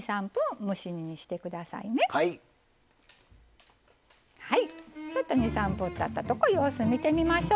はいちょっと２３分たったとこ様子見てみましょう。